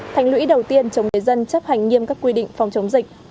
thành lũy đầu tiên chống người dân chấp hành nghiêm các quy định phòng chống dịch